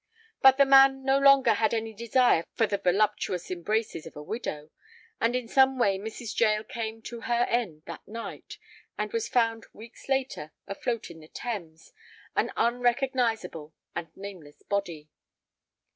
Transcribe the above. But the man no longer had any desire for the voluptuous embraces of a widow, and in some way Mrs. Jael came to her end that night, and was found weeks later afloat in the Thames, an unrecognizable and nameless body.